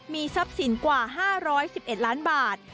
มีทรัพย์สินกว่า๕๑๑ล้านบาท